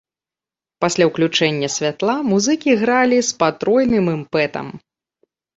Пасля ўключэння святла музыкі гралі з патройным імпэтам!